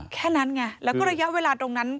แค่นั้นไงแล้วก็ระยะเวลาตรงนั้น